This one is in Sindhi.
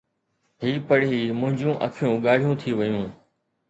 هي پڙهي منهنجيون اکيون ڳاڙهيون ٿي ويون.